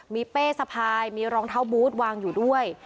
มีเป้สะพายมีรองเท้าบูธวางอยู่ด้วย